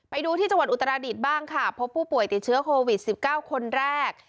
ไปดูที่จังหวัดอุตราดิษฐ์บ้างค่ะพบผู้ป่วยติดเชื้อโควิด๑๙คนแรก